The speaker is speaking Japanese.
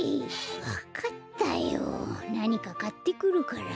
わかったよなにかかってくるから。